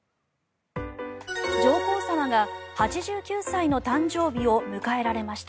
上皇さまが８９歳の誕生日を迎えられました。